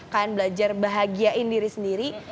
kalian belajar bahagiain diri sendiri